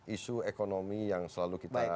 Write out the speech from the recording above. isu ekonomi yang selalu kita